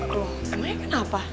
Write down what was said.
loh emangnya kenapa